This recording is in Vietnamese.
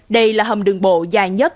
đây là hầm đường bộ dài nhất